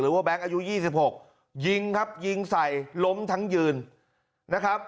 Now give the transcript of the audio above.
แบงค์อายุ๒๖ยิงครับยิงใส่ล้มทั้งยืนนะครับ